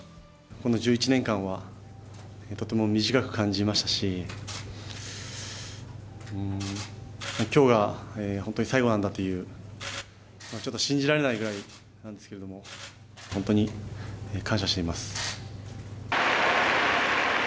この１１年間はとても短く感じましたし、きょうが本当に最後なんだという、ちょっと信じられないぐらいなんですけど、本当に感謝しています。